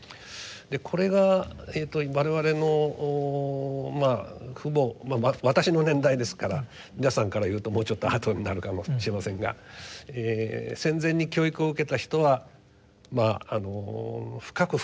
これが我々の父母まあ私の年代ですから皆さんから言うともうちょっと後になるかもしれませんが戦前に教育を受けた人は深く深く体の中に入っていたものだと思いますね。